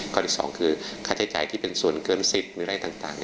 ข้อที่๒คือค่าใช้จ่ายที่เป็นส่วนเกิน๑๐หรืออะไรต่าง